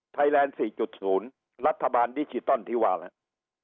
แลนด์๔๐รัฐบาลดิจิตอลที่ว่าแล้ว